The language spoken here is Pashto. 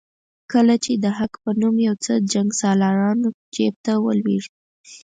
کله چې د حق په نوم یو څه جنګسالارانو جیب ته ولوېږي.